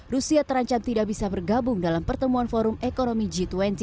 rusia terancam tidak bisa bergabung dalam pertemuan forum ekonomi g dua puluh